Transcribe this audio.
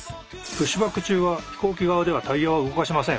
プッシュバック中は飛行機側ではタイヤは動かしません。